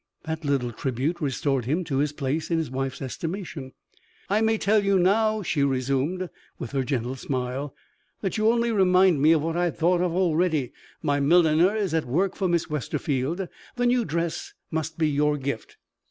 That little tribute restored him to his place in his wife's estimation. "I may tell you now," she resumed, with her gentle smile, "that you only remind me of what I had thought of already. My milliner is at work for Miss Westerfield. The new dress must be your gift."